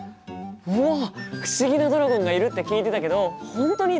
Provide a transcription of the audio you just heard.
うわっ不思議なドラゴンがいるって聞いてたけど本当にいたんだ！